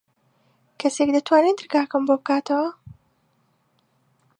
کەسێک دەتوانێت دەرگاکەم بۆ بکاتەوە؟